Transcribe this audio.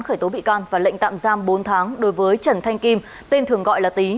khởi tố bị can và lệnh tạm giam bốn tháng đối với trần thanh kim tên thường gọi là tý